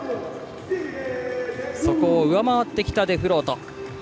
そこを上回ってきたデフロート。